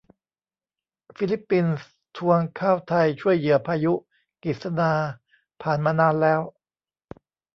ฟิลิปปินส์ทวงข้าวไทยช่วยเหยื่อพายุกิสนา ผ่านมานานแล้ว